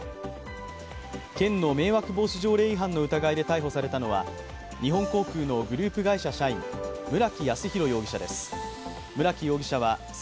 県の迷惑防止条例違反の疑いで逮捕されたのは日本航空のグループ会社社員村木泰裕容疑者です。